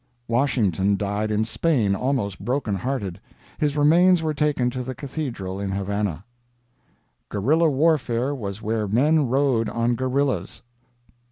"Washington died in Spain almost broken hearted. His remains were taken to the cathedral in Havana. "Gorilla warfare was where men rode on gorillas."